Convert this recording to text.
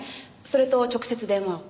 それと直接電話を。